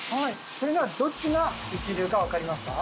それではどっちが一流か分かりますか？